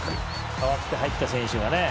代わって入った選手がね。